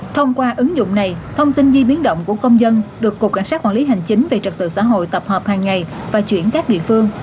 thông qua ứng dụng này thông tin di biến động của công dân được cục cảnh sát quản lý hành chính về trật tự xã hội tập hợp hàng ngày và chuyển các địa phương